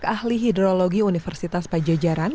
chai asdek ahli hidrologi universitas pajojaran